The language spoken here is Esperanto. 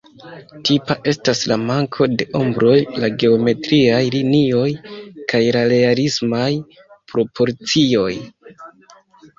Tipa estas la manko de ombroj, la geometriaj linioj, kaj la realismaj proporcioj.